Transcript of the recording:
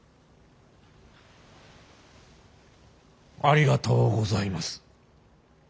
ありがとうございます。